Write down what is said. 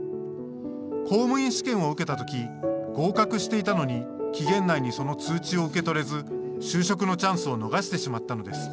公務員試験を受けた時合格していたのに期限内にその通知を受け取れず就職のチャンスを逃してしまったのです。